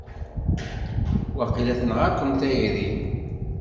Waqila tenɣa-ken tayri!